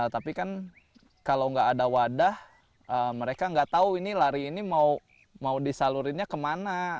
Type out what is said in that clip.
tapi kan kalau nggak ada wadah mereka nggak tahu ini lari ini mau disalurinnya kemana